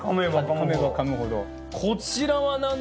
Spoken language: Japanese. かめばかむほど。